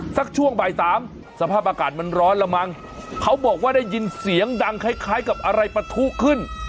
ช่วงบ่ายสามสภาพอากาศมันร้อนละมั้งเขาบอกว่าได้ยินเสียงดังคล้ายคล้ายกับอะไรปะทุขึ้น